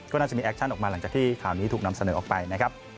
ก็น่าจะมีแอคชั่นออกมาหลังจากที่ข่าวนี้ถูกนำเสนอออกไปนะครับ